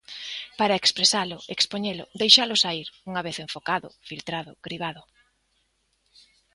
Para expresalo, expoñelo, deixalo saír, unha vez enfocado, filtrado, cribado.